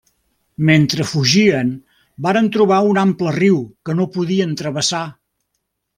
Mentre fugien, varen trobar un ample riu que no podien travessar.